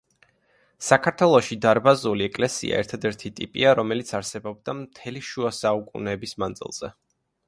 საქართველოში დარბაზული ეკლესია ერთადერთი ტიპია, რომელიც არსებობდა მთელი შუა საუკუნეების მანძილზე.